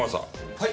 はい。